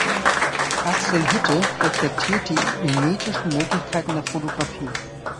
Axel Hütte reflektiert die mimetischen Möglichkeiten der Fotografie.